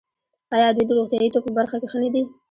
آیا دوی د روغتیايي توکو په برخه کې ښه نه دي؟